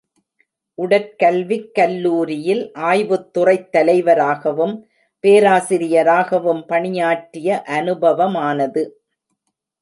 உடற்கல்விக் கல்லூரியில் ஆய்வுத்துறைத் தலைவராகவும், பேராசிரியராகவும் பணியாற்றிய அனுபவமானது.